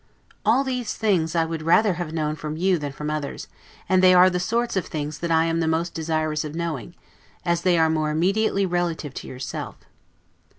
All these things I would rather have known from you than from others; and they are the sort of things that I am the most desirous of knowing, as they are more immediately relative to yourself.